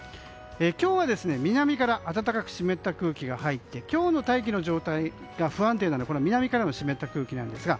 今日は南から暖かく湿った空気が入って今日の大気の状態が不安定なのは、この南からの湿った空気なんですが。